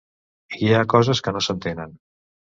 I hi ha coses que no s’entenen.